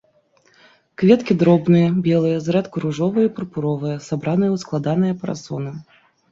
Кветкі дробныя, белыя, зрэдку ружовыя і пурпуровыя, сабраныя у складаныя парасоны.